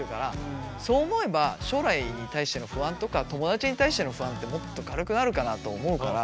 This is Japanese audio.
そう思えば将来に対しての不安とか友だちに対しての不安ってもっと軽くなるかなと思うから。